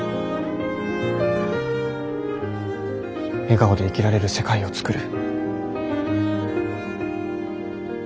笑顔で生きられる世界を創る。